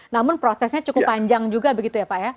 namun prosesnya cukup panjang juga begitu ya pak ya